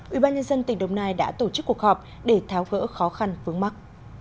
ủy ban nhân dân tỉnh đồng nai đã tổ chức cuộc họp để tháo gỡ khó khăn vướng mắc